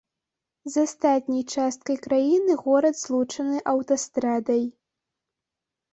З астатняй часткай краіны горад злучаны аўтастрадай.